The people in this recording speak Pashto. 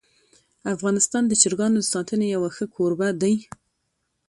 افغانستان د چرګانو د ساتنې یو ښه کوربه دی.